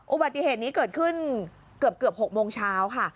อุบัติเหตุนี้เกิดขึ้นเกือบ๖โมงเช้าค่ะ